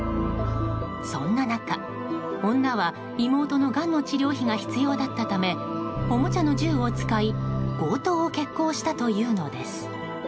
そんな中、女は妹のがんの治療費が必要だったためおもちゃの銃を使い強盗を決行したというのです。